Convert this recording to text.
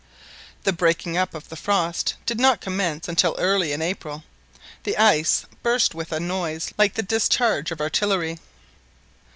The breaking up of the frost did not commence until early in April. The ice burst with a noise like the discharge of artillery.